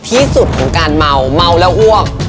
ที่สุดของการเมาเมาแล้วอ้วก